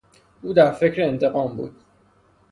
او در فکر انتقام بود.